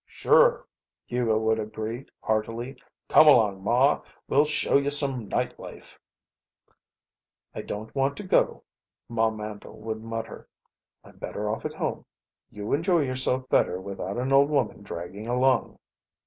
"Sure!" Hugo would agree, heartily. "Come along, Ma. We'll show you some night life." "I don't want to go," Ma Mandle would mutter. "I'm better off at home. You enjoy yourself better without an old woman dragging along."